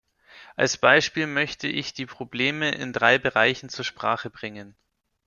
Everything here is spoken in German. Als Beispiel möchte ich die Probleme in drei Bereichen zur Sprache bringen.